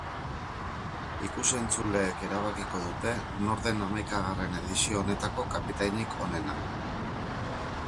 Ikus-entzuleek erabakiko dute nor den hamaikagarren edizio honetako kapitainik onena.